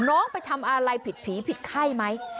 น้องไปทำอะไรผิดผีผิดไข้ไหม